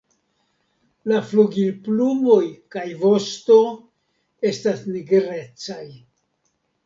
La flugilplumoj kaj vosto estas nigrecaj.